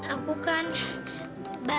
aku kan bau